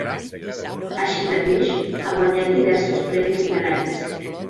Així mateix, ha guanyat diversos premis literaris.